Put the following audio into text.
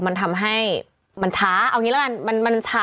มันทำให้มันช้าเอางี้ละกันมันช้า